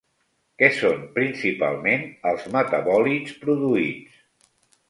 Què són principalment els metabòlits produïts?